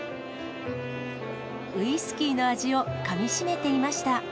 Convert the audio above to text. ウイスキーの味をかみしめていました。